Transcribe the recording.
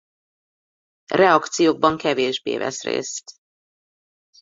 Reakciókban kevésbé vesz részt.